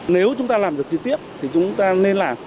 nếu chúng ta làm được chi tiết thì chúng ta nên làm